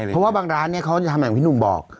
เพราะว่าบางร้านเนี่ยเขาจะทำอย่างที่หนุ่มบอก